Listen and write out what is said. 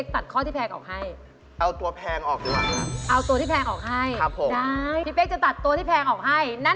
ทำเล็กได้ค่ะ